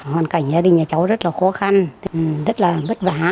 hoàn cảnh gia đình nhà cháu rất là khó khăn rất là ngất vã